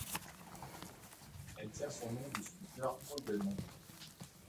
Elle tient son nom du sculpteur Paul Belmondo.